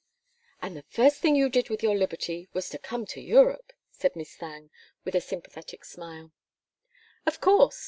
"And the first thing you did with your liberty was to come to Europe," said Miss Thangue, with a sympathetic smile. "Of course.